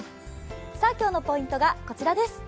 今日のポイントがこちらです。